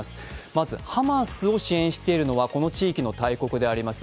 まずハマスを支援しているのはこの地域の大国であります